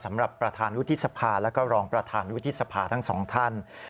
ประธานวุฒิสภาแล้วก็รองประธานวุฒิสภาทั้งสองท่าน